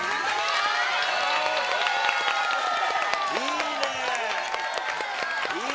いいね。